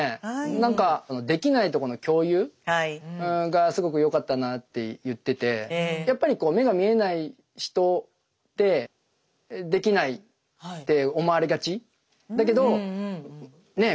何かできないとこの共有？がすごくよかったなあって言っててやっぱりこう目が見えない人ってできないって思われがちだけどねえ？